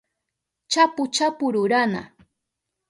chapu chapu rurana